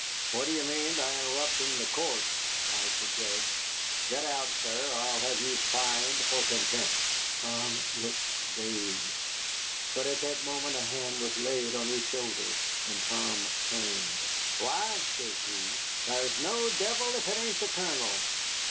"What do you mean by interrupting the court?" cried the judge. "Get out, sir, or I'll have you fined for contempt." Tom looked dazed. But at that moment a hand was laid on his shoulder, and Tom turned. "Why," says he, "thar's no devil if it ain't the Colonel.